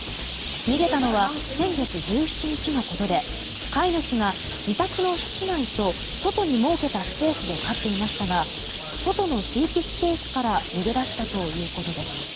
逃げたのは先月１７日のことで飼い主が自宅の室内と外に設けたスペースで飼っていましたが外の飼育スペースから逃げ出したということです。